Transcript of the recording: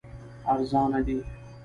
ارزانه دي.